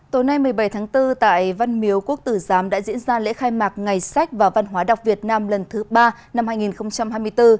tối nay một mươi bảy tháng bốn tại văn miếu quốc tử giám đã diễn ra lễ khai mạc ngày sách và văn hóa đọc việt nam lần thứ ba năm hai nghìn hai mươi bốn